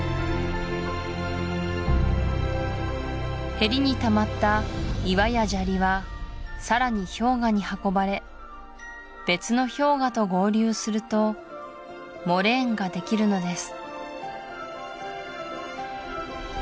へりにたまった岩や砂利はさらに氷河に運ばれ別の氷河と合流するとモレーンができるのです